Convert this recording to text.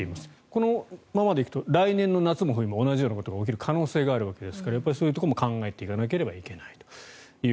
このままでいくと来年の夏と冬も同じようなことが起きる可能性があるわけですからそういうところも考えていかなければいけないと。